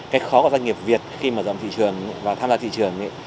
cái khó của doanh nghiệp việt khi mở rộng thị trường và tham gia thị trường